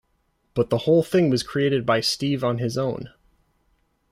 But the whole thing was created by Steve on his own...